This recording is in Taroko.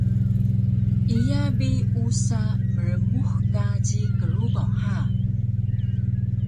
Iya bi usa mrmux kaji krubaw ha